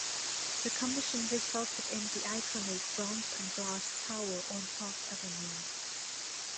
The commission resulted in the iconic bronze-and-glass tower on Park Avenue.